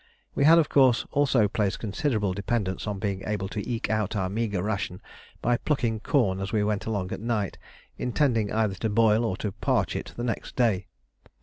We had, of course, also placed considerable dependence on being able to eke out our meagre ration by plucking corn as we went along at night, intending either to boil or to parch it the next day.